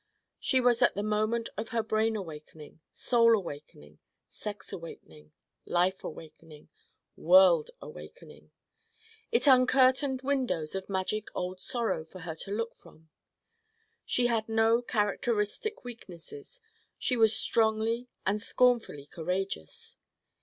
She was at her moment of brain awakening, soul awakening, sex awakening, life awakening, world awakening: it uncurtained windows of magic old sorrow for her to look from. She had no characteristic weaknesses she was strongly and scornfully courageous.